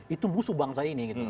itu musuh bangsa ini